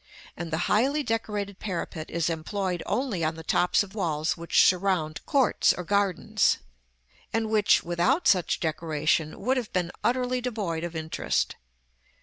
and the highly decorated parapet is employed only on the tops of walls which surround courts or gardens, and which, without such decoration, would have been utterly devoid of interest.